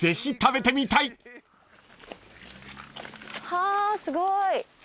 はぁすごい。